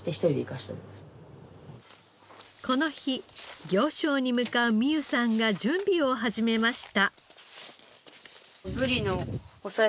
この日行商に向かう美有さんが準備を始めました。